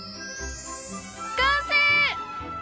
完成！